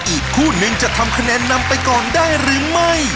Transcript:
อีกคู่นึงจะทำคะแนนนำไปก่อนได้หรือไม่